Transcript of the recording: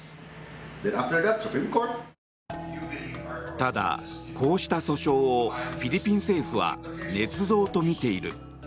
ただ、こうした訴訟をフィリピン政府はねつ造とみている。